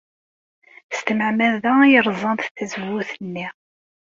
S tmeɛmada ay rẓant tazewwut-nni.